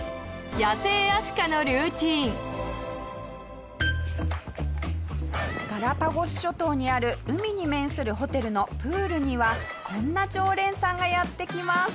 野生アシカのルーティン下平：ガラパゴス諸島にある海に面するホテルのプールにはこんな常連さんがやって来ます。